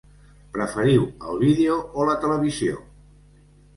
Preferiu el vídeo o la televisió?